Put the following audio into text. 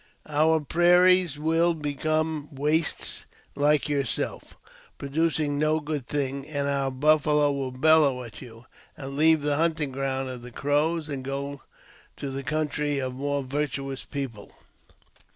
Our prairies will become 1 244 AUTOBIOGRAPHY OF wastes like yourselves, producing no good thing; and ouni buffalo will bellow at you, and leave the hunting grounds o™ the Crows, and go to the country of a more virtuous people."